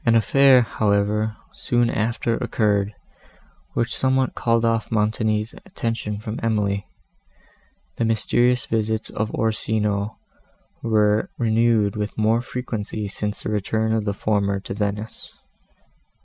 An affair, however, soon after occurred, which somewhat called off Montoni's attention from Emily. The mysterious visits of Orsino were renewed with more frequency since the return of the former to Venice.